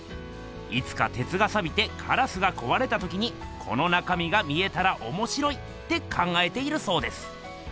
いつかてつがさびてカラスがこわれたときにこの中みが見えたらおもしろいって考えているそうです。